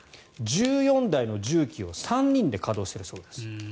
１４台の重機を３人で稼働しているそうです。